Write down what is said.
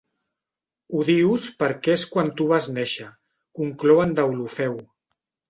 Ho dius perquè és quan tu vas néixer —conclou en Deulofeu.